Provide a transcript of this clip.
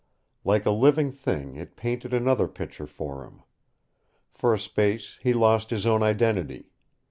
Like a living thing it painted another picture for him. For a space he lost his own identity.